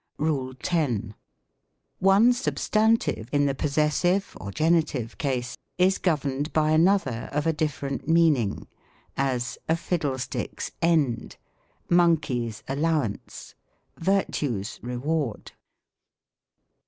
RULE X. One substantive, in the possessive or genitive case, is governed by another, of a different meaning : as, " A fiddle stick's end." "Monkey's allowance." "Vir tue's reward."